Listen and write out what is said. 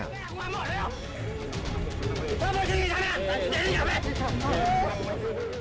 jangan beranggapan jangan beranggapan